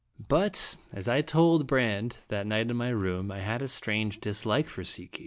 But, as I told Brande that night in my room, I had a strange dislike for Si ki.